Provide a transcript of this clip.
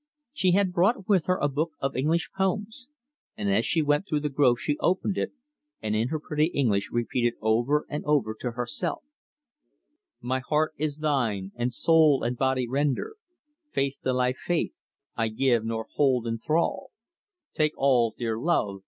She had brought with her a book of English poems, and as she went through the grove she opened it, and in her pretty English repeated over and over to herself: "My heart is thine, and soul and body render Faith to thy faith; I give nor hold in thrall: Take all, dear love!